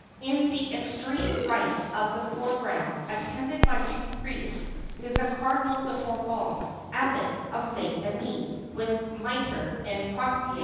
In the extreme right of the fore ground, attended by two priests, is the Cardinal de Bourbon, Abbot of St. Denis, with miter and crosier.